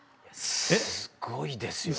すごいですよ。